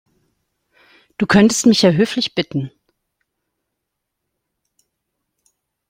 Du könntest mich ja höflich bitten.